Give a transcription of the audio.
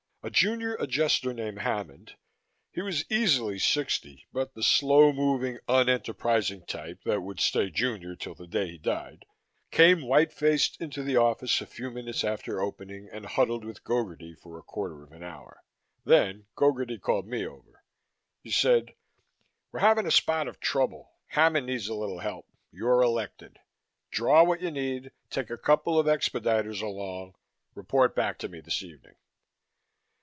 A Junior Adjuster named Hammond he was easily sixty, but the slow moving, unenterprising type that would stay junior till the day he died came white faced into the office a few minutes after opening and huddled with Gogarty for a quarter of an hour. Then Gogarty called me over. He said, "We're having a spot of trouble. Hammond needs a little help; you're elected. Draw what you need, take a couple of expediters along, report back to me this evening."